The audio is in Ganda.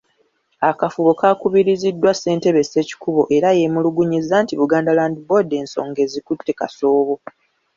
Akafubo kaakubiriziddwa Ssentebe Ssekikubo era yeemulugunyizza nti Buganda Land Board ensonga ezikutte kasoobo.